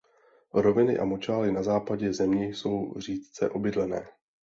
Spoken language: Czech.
Roviny a močály na západě země jsou řídce obydlené.